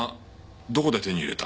どこで手に入れた？